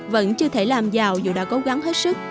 vẫn chưa thể làm giàu dù đã cố gắng hết sức